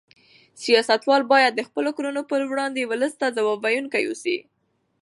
سیاستوال باید د خپلو کړنو په وړاندې ولس ته ځواب ویونکي اوسي.